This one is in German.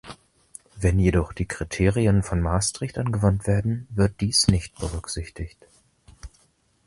Wenn jedoch die Kriterien von Maastricht angewandt werden, wird dies nicht berücksichtigt.